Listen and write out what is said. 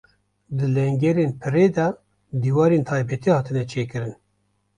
Di lengerên pirê de dîwarên taybetî hatine çêkirin.